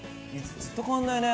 ずっと変わんないね。